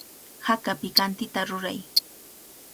Haka pikantita ruray.